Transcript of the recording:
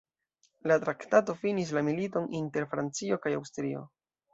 La traktato finis la militon inter Francio kaj Aŭstrio.